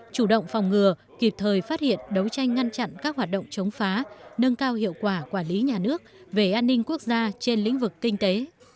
chủ động phòng ngừa kịp thời phát hiện đấu tranh ngăn chặn các hoạt động chống phá nâng cao hiệu quả quản lý nhà nước về an ninh quốc gia trên lĩnh vực kinh tế